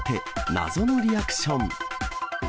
謎のリアクション。